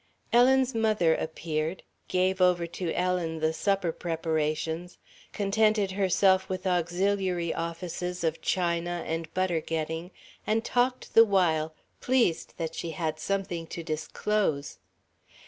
Ellen's mother appeared, gave over to Ellen the supper preparations, contented herself with auxiliary offices of china and butter getting, and talked the while, pleased that she had something to disclose.